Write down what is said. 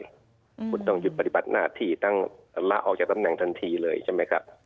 คุณต้องหยุดปฏิบัติหน้าที่ต้องลาออกจากตำแหน่งทันทีเลยใช่ไหมครับ